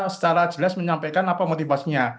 secara jelas menyampaikan apa motivasinya